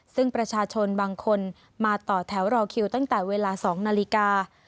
ซึ่งประชาชนบางคนมาต่อแถวรอคิวตั้งแต่เวลา๒นาฬิกา